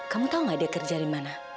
kamu tahu gak dia kerja di mana